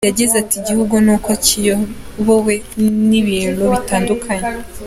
Yagize ati "Igihugu n’uko kiyobowe ni ibintu bitandukanye.